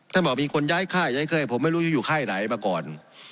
ถ้าบอกมีคนย้ายค่าหรือย้ายเครื่องก็ให้ผมไม่รู้อยู่ใครอยู่ไหนมาก่อน